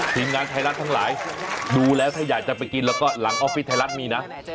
พอใครก็พูดสองอย่างนี้